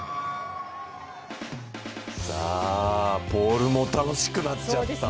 さあ、ポールも楽しくなっちゃった。